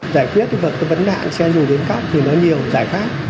giải quyết vấn đạn xe rù bến cóc thì nó nhiều giải pháp